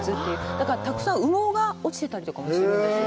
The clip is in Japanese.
だから、たくさん羽毛が落ちてたりとかもするんですよ。